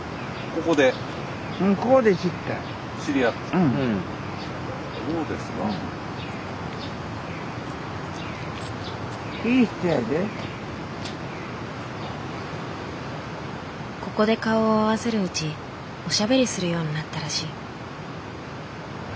ここで顔を合わせるうちおしゃべりするようになったらしい。